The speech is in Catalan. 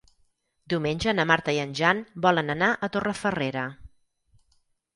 Diumenge na Marta i en Jan volen anar a Torrefarrera.